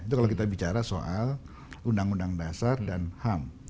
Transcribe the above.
itu kalau kita bicara soal undang undang dasar dan ham